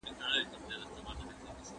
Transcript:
آیا ميرمن د فشار له امله ميراث پريښود؟